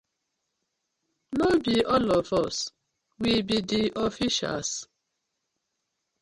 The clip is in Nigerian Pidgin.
No bi all of us, we bi di officials.